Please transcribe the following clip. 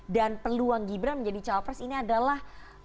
dan peluang gibran menjadi cawapres ini adalah